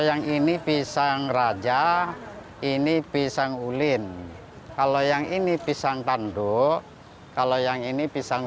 yang ini pisang raja ini pisang ulin kalau yang ini pisang tanduk kalau yang ini pisang